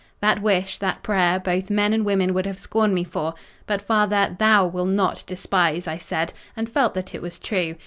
That wish—that prayer—both men and women would have scorned me for—"But, Father, Thou wilt not despise!" I said, and felt that it was true.